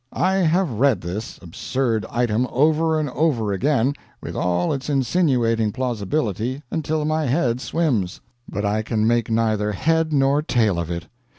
I have read this absurd item over and over again, with all its insinuating plausibility, until my head swims; but I can make neither head nor tail of it.